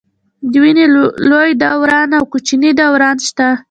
د وینې لوی دوران او کوچني دوران شته.